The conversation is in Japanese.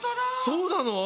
そうなの？